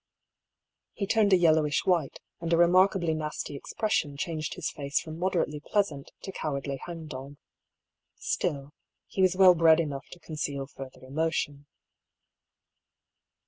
He turned a yellowish white, and a remarkably nasty expression changed his face from moderately pleasant to cowardly hang dog. Still, he was well bred enough to conceal further emotion.